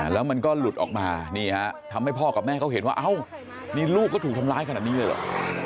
แล้วมันก็หลุดออกมานี่ฮะทำให้พ่อกับแม่เขาเห็นว่าเอ้านี่ลูกเขาถูกทำร้ายขนาดนี้เลยเหรอ